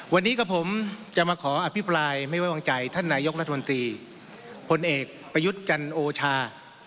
วันนี้กับผมจะมาขออภิปรายไม่ไว้วางใจท่านนายกรัฐมนตรีพลเอกประยุทธ์จันโอชา